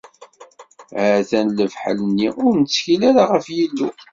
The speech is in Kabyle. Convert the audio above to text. Ha-t-an lefḥel-nni ur nettkil ara ɣef Yillu.